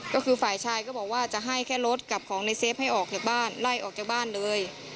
ก็คือฝ่ายชายก็บอกว่าจะให้แค่รถกับของในเฟฟให้ออกจากบ้านไล่ออกจากบ้านเลย